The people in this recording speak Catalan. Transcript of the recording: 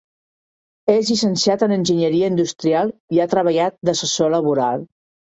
És llicenciat en Enginyeria Industrial i ha treballat d'assessor laboral.